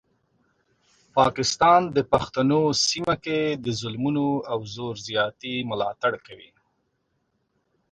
پاکستان د پښتنو سیمه کې د ظلمونو او زور زیاتي ملاتړ کوي.